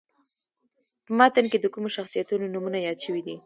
په متن کې د کومو شخصیتونو نومونه یاد شوي دي.